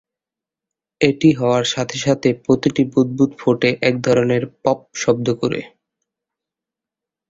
এটি হওয়ার সাথে সাথে প্রতিটি বুদবুদ ফেটে এক ধরনের "পপ" শব্দ করে।